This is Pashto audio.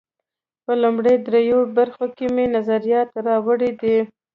په لومړیو درېیو برخو کې مې نظریات راوړي دي.